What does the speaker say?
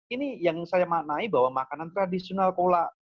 ini yang saya maknai bahwa makanan tradisional kolak